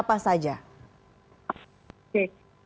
terkesan untuk pake mask